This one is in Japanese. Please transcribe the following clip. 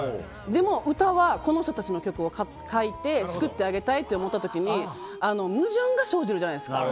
でも歌はこの人たちの曲を書いて救ってあげたいって思った時に矛盾が生じるじゃないですか。